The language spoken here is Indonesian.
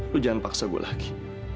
lu jangan paksa gue lagi